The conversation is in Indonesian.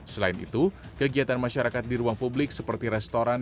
selain itu kegiatan masyarakat di ruang publik seperti restoran